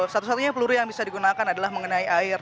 satu satunya peluru yang bisa digunakan adalah mengenai air